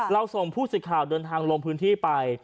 ส่งผู้สื่อข่าวเดินทางลงพื้นที่ไป